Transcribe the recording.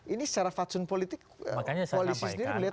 ini secara fatsun politik polisi sendiri melihatnya gimana